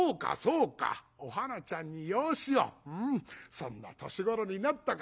そんな年頃になったか。